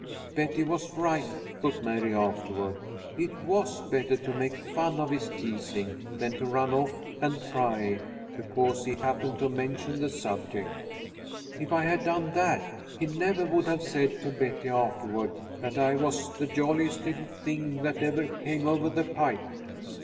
"Betty was right," thought Mary afterward. "It was better to make fun of his teasing than to run off and cry because he happened to mention the subject. If I had done that, he never would have said to Betty afterward that I was the jolliest little thing that ever came over the pike.